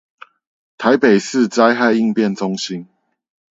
台北市災害應變中心